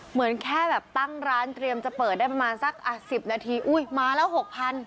เหมือนแค่แบบตั้งร้านเตรียมจะเปิดได้ประมาณสักอ่ะสิบนาทีอุ้ยมาแล้วหกพัน